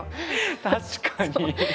確かに。